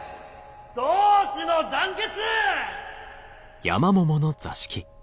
同志の団結！